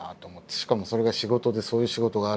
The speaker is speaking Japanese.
しかもそれが仕事でそういう仕事があるっていう。